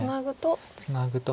ツナぐと。